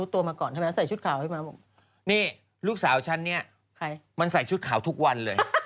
ทำไมใส่ชุดขาวทุกคน